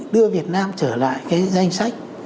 đưa việt nam trở lại cái danh sách